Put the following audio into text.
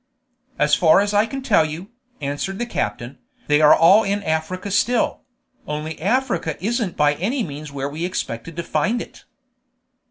"As far as I can tell you," answered the captain, "they are all in Africa still; only Africa isn't by any means where we expected to find it."